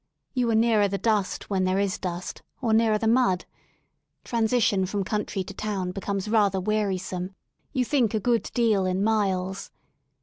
You are nearer the dust when there is dust, or nearer the mud. Transition from country to town becomes rather wearisome; you think a good deal in miles.